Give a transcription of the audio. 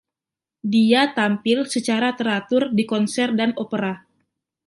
Dia tampil secara teratur di konser dan opera.